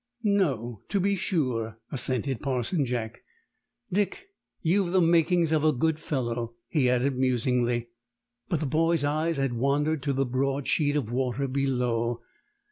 "No, to be sure," assented Parson Jack. "Dick, you've the makings of a good fellow," he added musingly. But the boy's eyes had wandered to the broad sheet of water below.